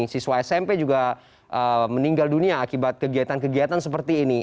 siswa smp juga meninggal dunia akibat kegiatan kegiatan seperti ini